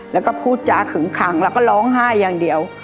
แล้วก็พูดจาขึงขังแล้วก็ร้องไห้อย่างเดียว